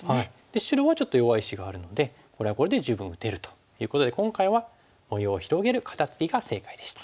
白はちょっと弱い石があるのでこれはこれで十分打てるということで今回は模様を広げる肩ツキが正解でした。